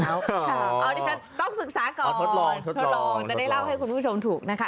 เอาดิฉันต้องศึกษาก่อนหมดเลยทดลองจะได้เล่าให้คุณผู้ชมถูกนะคะ